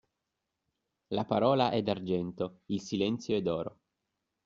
La parola è d'argento, il silenzio è d'oro.